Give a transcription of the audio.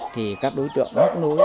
thì các đối tượng mắc núi